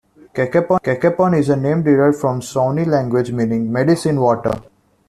Cacapon is a name derived from the Shawnee language meaning "medicine water".